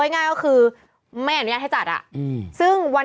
เป็นการกระตุ้นการไหลเวียนของเลือด